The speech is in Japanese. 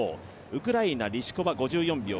ウクライナ、リシコワ５４秒９３。